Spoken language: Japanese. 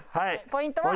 ポイントは。